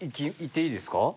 いっていいですか。